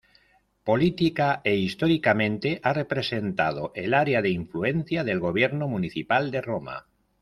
Política e históricamente ha representado el área de influencia del gobierno municipal de Roma.